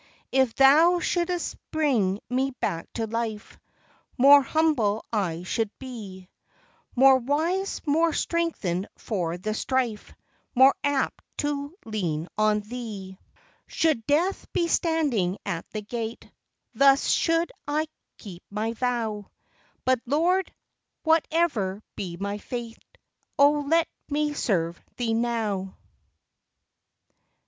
If Thou shouldst bring me back to life, More humble I should be, More wise, more strengthened for the strife, More apt to lean on Thee. 14 10 FROM QUEENS' GARDENS. Should death be standing at the gate, Thus should I keep my vow; But Lord ! whatever be my fate, Oh, let me serve Thee now